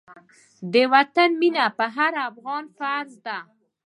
د وطن مينه په هر افغان فرض ده.